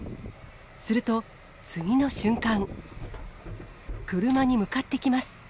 すると、次の瞬間、車に向かってきます。